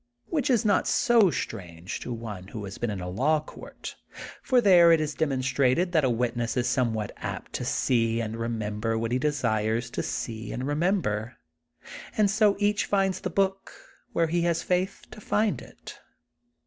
Which is not so strange, to one who has been in a law court, for there it is demonstrated that a witness is somewhat apt to see and remember what he desires to see and remember. And so each finds the book where he has faith to find it.